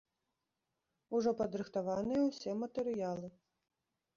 Ужо падрыхтаваныя ўсе матэрыялы.